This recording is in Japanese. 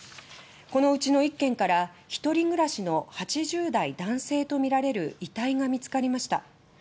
このうちの１軒から１人暮らしの８０代男性とみられる遺体が見つかりました。